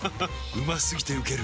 うま過ぎてウケる